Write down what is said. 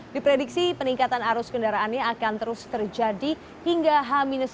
diprediksi peningkatan arus kendaraannya akan terus terjadi hingga h tiga